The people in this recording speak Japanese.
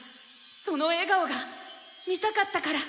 その笑顔が見たかったから！